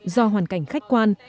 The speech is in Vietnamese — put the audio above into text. do hoàn cảnh khách quan